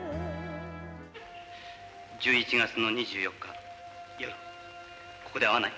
１１月の２４日の夜ここで会わない？